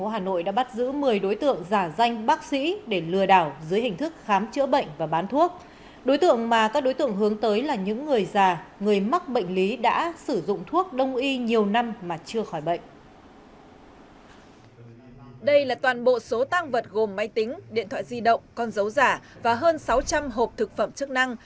đây là toàn bộ số tăng vật gồm máy tính điện thoại di động con dấu giả và hơn sáu trăm linh hộp thực phẩm chức năng